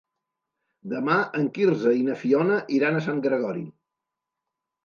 Demà en Quirze i na Fiona iran a Sant Gregori.